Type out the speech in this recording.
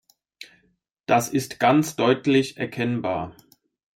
Das ist ganz deutlich erkennbar.